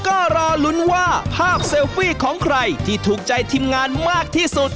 ก็รอลุ้นว่าภาพเซลฟี่ของใครที่ถูกใจทีมงานมากที่สุด